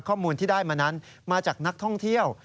ข้อมูลที่ได้มานั้นมาจากนักท่องเที่ยว